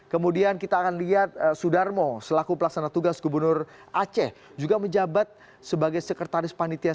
kemudian kita akan lihat sudarmo selaku pelaksana tugas gubernur aceh juga menjabat sebagai sekretaris panitia